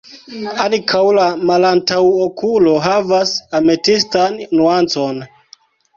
Ankaŭ la malantaŭkolo havas ametistan nuancon.